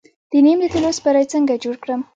د نیم د تیلو سپری څنګه جوړ کړم؟